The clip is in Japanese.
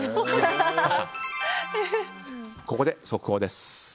ここで、速報です。